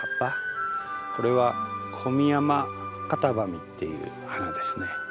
これはコミヤマカタバミっていう花ですね。